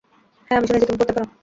হ্যাঁ, আমি শুনেছি তুমি পড়তে পারো।